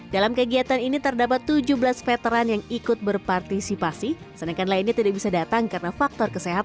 dalam kegiatan ini terdapat tujuh belas veteran yang ikut berpartisipasi sedangkan lainnya tidak bisa datang karena faktor kesehatan